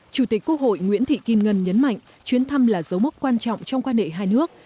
chủ tịch quốc hội nguyễn thị kim ngân nhấn mạnh chuyến thăm là dấu mốc quan trọng trong quan hệ hai nước